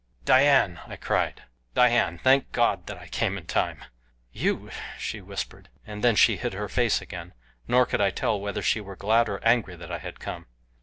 "Dian!" I cried. "Dian! Thank God that I came in time." "You?" she whispered, and then she hid her face again; nor could I tell whether she were glad or angry that I had come.